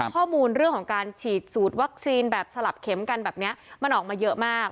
ข้อมูลเรื่องของการฉีดสูตรวัคซีนแบบสลับเข็มกันแบบนี้มันออกมาเยอะมาก